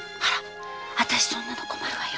あたしそんなの困るわよ。